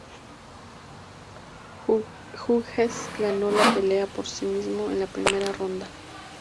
Hughes ganó la pelea por sumisión en la primera ronda.